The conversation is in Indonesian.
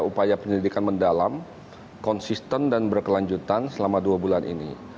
upaya penyelidikan mendalam konsisten dan berkelanjutan selama dua bulan ini